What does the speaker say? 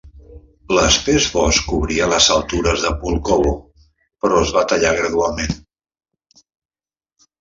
L'espès bosc cobria les altures de Pulkovo, però es va tallar gradualment.